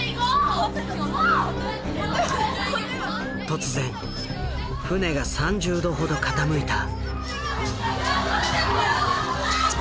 突然船が３０度ほど傾いた。